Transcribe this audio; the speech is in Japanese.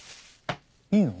いいの？